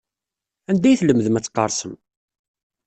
Anda ay tlemdem ad tqersem?